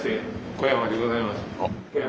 小山でございます。